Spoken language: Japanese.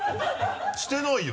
してないよ。